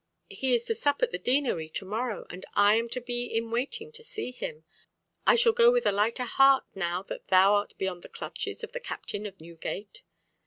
He is to sup at the Deanery to morrow, and I am to be in waiting to see him. I shall go with a lighter heart now that thou art beyond the clutches of the captain of Newgate."